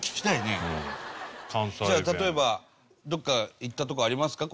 じゃあ例えばどこか行ったとこありますか？